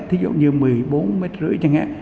thí dụ như một mươi bốn mét rưỡi chẳng hạn